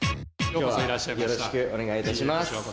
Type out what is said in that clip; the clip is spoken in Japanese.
今日はよろしくお願いいたします。